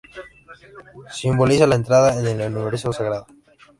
Simboliza la entrada en el universo sagrado.